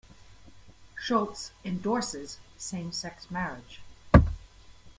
Schultz endorses same-sex marriage.